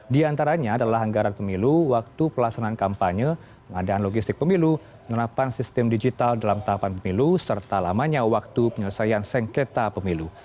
di antaranya adalah anggaran pemilu waktu pelaksanaan kampanye pengadaan logistik pemilu penerapan sistem digital dalam tahapan pemilu serta lamanya waktu penyelesaian sengketa pemilu